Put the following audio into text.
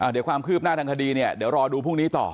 เดี๋ยวความคืบหน้าทางคดีเนี่ยเดี๋ยวรอดูพรุ่งนี้ต่อ